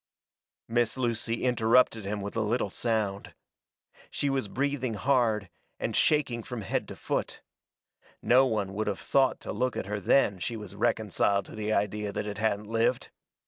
Miss Lucy interrupted him with a little sound. She was breathing hard, and shaking from head to foot. No one would have thought to look at her then she was reconciled to the idea that it hadn't lived.